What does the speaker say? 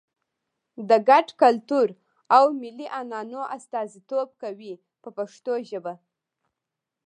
د ګډ کلتور او ملي عنعنو استازیتوب کوي په پښتو ژبه.